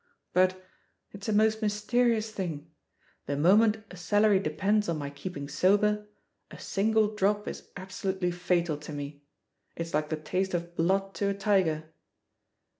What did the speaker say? But — ^it's a most mysterious thing — ^the moment a salary depends on my keeping sober, a single drop is absolutely fatal to me ; it's like the taste of blood to a tiger.